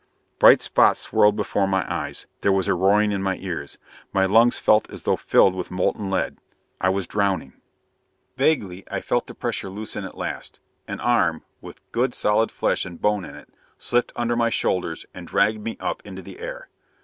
Bright spots swirled before my eyes. There was a roaring in my ears. My lungs felt as though filled with molten lead. I was drowning.... Vaguely I felt the pressure loosen at last. An arm with good, solid flesh and bone in it slipped under my shoulders and dragged me up into the air.